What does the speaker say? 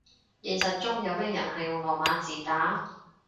現實中有咩人係用羅馬字打